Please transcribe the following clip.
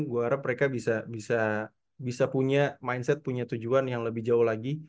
gue harap mereka bisa punya mindset punya tujuan yang lebih jauh lagi